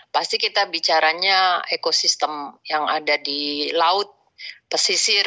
pasti kita bicaranya ekosistem yang ada di laut pesisir